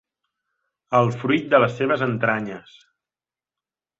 El fruit de les seves entranyes.